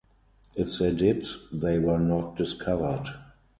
If they did, they were not discovered.